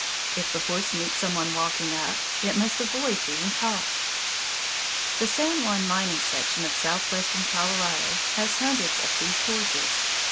If the horse meets some one walking up, it must avoid being caught. The San Juan mining section of southwestern Colorado has hundreds of these horses.